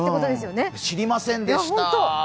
知りませんでした。